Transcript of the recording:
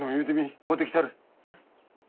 買うてきたる。